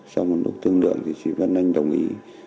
sau một lúc tương đựng thì chị vân anh đồng ý